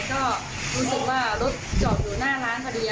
ก็รู้สึกว่ารถจอดอยู่หน้าร้านพอดี